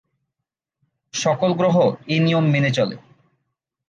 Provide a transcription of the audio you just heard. সকল গ্রহ এই নিয়ম মেনে চলে।